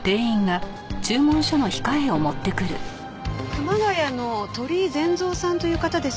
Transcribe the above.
熊谷の鳥居善三さんという方ですね。